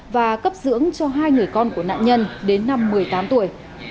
và cấp dưỡng cho hai người con của nạn nhân đến năm một mươi tám tuổi